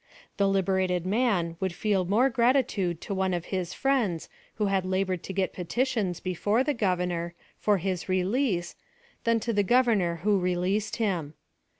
The liberated man would feel more gratitude to one of his friends, who had labored to get peti tions before the governor, for his release, than to the governor who released him.